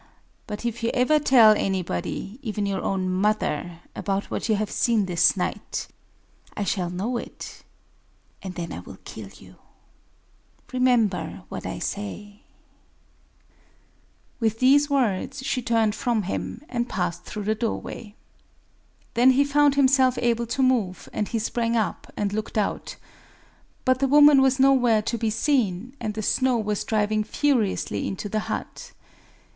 But, if you ever tell anybody—even your own mother—about what you have seen this night, I shall know it; and then I will kill you... Remember what I say!" BLOWING HER BREATH UPON HIM With these words, she turned from him, and passed through the doorway. Then he found himself able to move; and he sprang up, and looked out. But the woman was nowhere to be seen; and the snow was driving furiously into the hut.